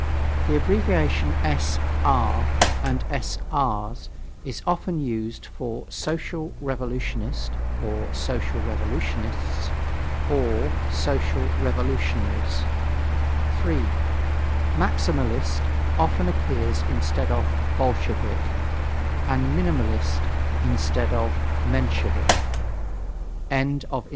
The abbreviation S. R. and S. R.'s is often used for "Social Revolutionist(s)" or "Socialist Revolutionaries." 3. "Maximalist" often appears instead of "bolshevik," and "minimalist" instead of "menshevik."